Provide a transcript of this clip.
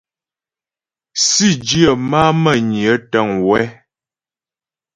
Sǐdyə má'a Mə́nyə təŋ wɛ́.